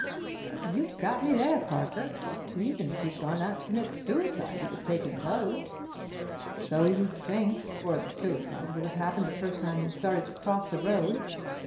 "You've got me there, Parker. Even if he'd gone out to commit suicide he'd have taken those." "So you'd think—or the suicide would have happened the first time he started to cross the road.